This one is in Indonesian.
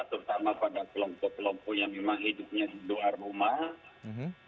terutama pada kelompok kelompok yang memang hidupnya di luar rumah